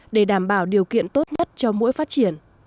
để đảm bảo điều kiện tốt nhất cho mũi phát triển